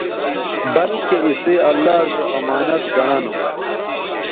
بلکہ اِسئ اللہ سو امانت گنڑہ نو